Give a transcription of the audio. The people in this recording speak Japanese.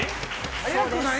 早くない？